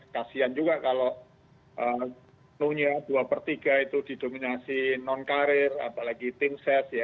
kasian juga kalau punya dua per tiga itu didominasi non karir apalagi dimses ya